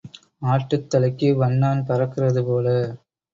ஆட்டுத் தலைக்கு வண்ணான் பறக்கிறதுபோல.